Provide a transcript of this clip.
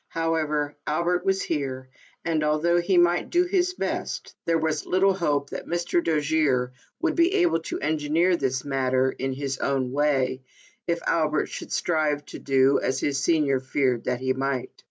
However, Albert was here, and, although he might do his best, there was little hope that Mr. Dojere would be able to engineer this matter in his own way, if Albert should strive to do, as his senior feared that he might.